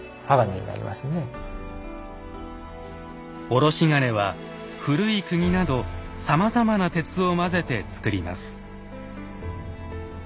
卸鉄は古いくぎなどさまざまな鉄を混ぜてつくります。